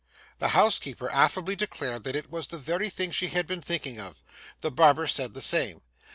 The housekeeper affably declared that it was the very thing she had been thinking of. The barber said the same.